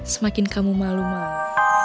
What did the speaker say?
semakin kamu malu malu